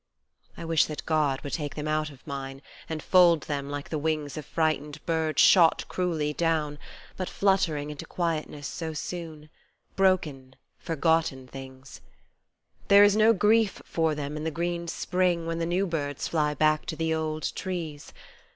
I wish that God would take them out of mine And fold them like the wings of frightened birds Shot cruelly down, but fluttering into quietness so soon, Broken, forgotten things ; there is no grief for them in the green Spring When the new birds fly back to the old trees.